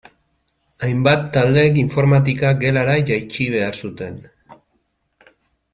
Hainbat taldek informatika gelara jaitsi behar zuten.